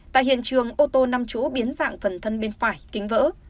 tại hiện trường ô tô năm chỗ biến dạng phần thân bên phải kính vỡ